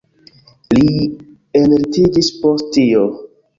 Li enlitiĝis post tio.